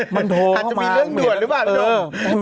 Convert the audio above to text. มันโทรเข้ามาอาจจะมีเรื่องหนวนรึเปล่าบอร์บอร์